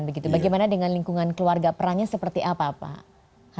bagaimana dengan lingkungan keluarga perannya seperti apa pak